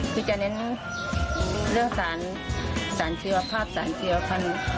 คือจะเน้นเรื่องศาลเชียวภาพศาลเชียวคัน